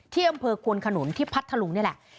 ที่อำเภอควนขนุนที่พัทธลุงนี่แหละ